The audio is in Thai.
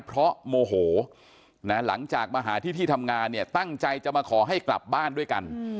เพราะโมโหนะหลังจากมาหาที่ที่ทำงานเนี่ยตั้งใจจะมาขอให้กลับบ้านด้วยกัน